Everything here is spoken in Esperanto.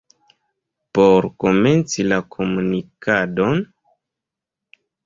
Por komenci la komunikadon.